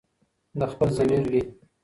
د خپل ضمیر وي